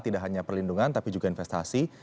tidak hanya perlindungan tapi juga investasi